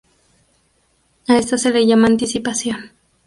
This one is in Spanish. A esto se le llama anticipación.